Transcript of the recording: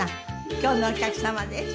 今日のお客様です。